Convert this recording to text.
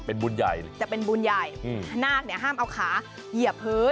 เป็นบุญใหญ่เลยจะเป็นบุญใหญ่นาคเนี่ยห้ามเอาขาเหยียบพื้น